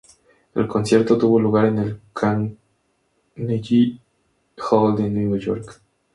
El concierto tuvo lugar en el Carnegie Hall de Nuevo York.